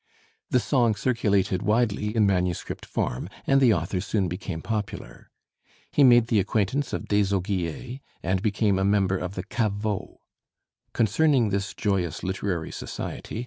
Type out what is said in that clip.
The song circulated widely in manuscript form, and the author soon became popular. He made the acquaintance of Désaugiers and became a member of the Caveau. Concerning this joyous literary society M.